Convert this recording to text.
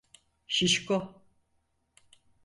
Şişko!